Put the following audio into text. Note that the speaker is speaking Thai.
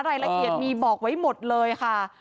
รายละเอียดมีบอกไว้หมดเลยค่ะ